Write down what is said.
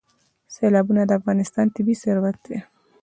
سیلابونه د افغانستان طبعي ثروت دی.